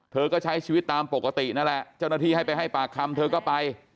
เธอก็ใช้ชีวิตตามปกตินั่นแหละเจ้าหน้าที่ให้ไปให้ปากคำเธอก็ไป